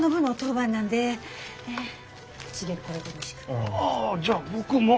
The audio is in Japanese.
あじゃあ僕も。